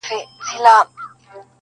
چي ستا به اوس زه هسي ياد هم نه يم.